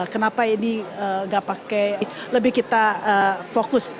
kenapa ini nggak pakai lebih kita fokus